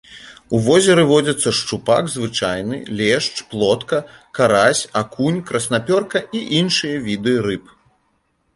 У возеры водзяцца шчупак звычайны, лешч, плотка, карась, акунь, краснапёрка і іншыя віды рыб.